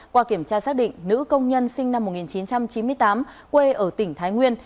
qua kiểm tra xác định nữ công nhân sinh năm một nghìn chín trăm chín mươi tám quê ở tỉnh thái nguyên